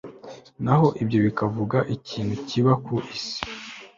naho ibyo bikavuga ikintu kiba ku isi